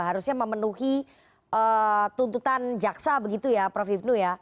harusnya memenuhi tuntutan jaksa begitu ya prof ibnu ya